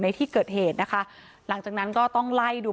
ตอนนั้นก็มีลูกชายไว้๒๐วันที่แม่ยายอุ้มอยู่